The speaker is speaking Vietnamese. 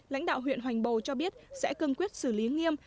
lãnh đạo huyện hoành bồ cho biết sẽ cương quyết xử lý nghiêm